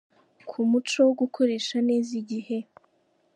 Ku muco wo gukoresha neza igihe.